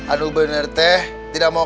aduh benar teh tidak mau